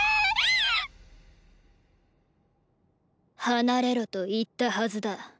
離れろと言ったはずだ。